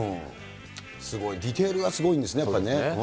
すごい、ディテールがすごいんですよね、やっぱり。